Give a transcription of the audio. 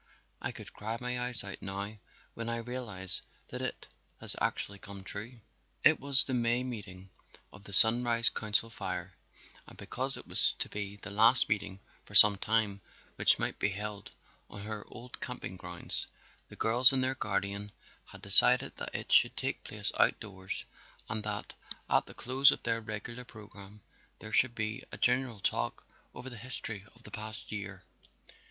I could cry my eyes out now when I realize that it has actually come true." It was the May meeting of the Sunrise Council Fire and because it was to be the last meeting for some time which might be held on their old camping grounds, the girls and their guardian had decided that it should take place outdoors and that at the close of their regular program there should be, a general talk over the history of the past year.